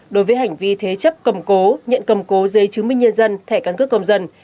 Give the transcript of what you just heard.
đối với hành vi thế chấp cầm cố nhận cầm cố dây chứng minh nhân dân thẻ căn cước công dân